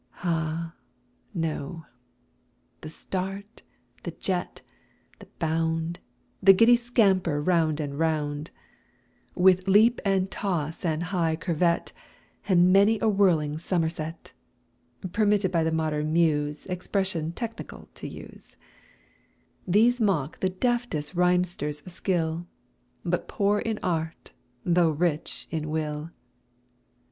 Ah, no! the start, the jet, the bound, The giddy scamper round and round, With leap and toss and high curvet, And many a whirling somerset, (Permitted by the modern muse Expression technical to use) These mock the deftest rhymester's skill, But poor in art, though rich in will.